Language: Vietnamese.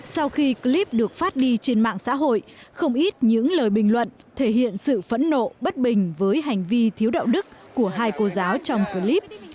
sau khi clip được phát đi trên mạng xã hội không ít những lời bình luận thể hiện sự phẫn nộ bất bình với hành vi thiếu đạo đức của hai cô giáo trong clip